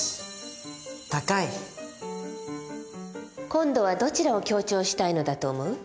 今度はどちらを強調したいのだと思う？